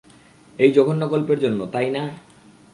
এই জঘন্য গল্পের জন্য, তাই না?